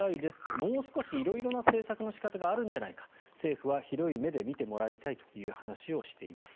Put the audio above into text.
もう少し色々な政策の仕方があるんじゃないか政府は広い目で見てもらいたいという話をしています。